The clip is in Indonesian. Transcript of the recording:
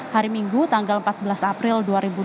hari minggu tanggal empat belas april dua ribu dua puluh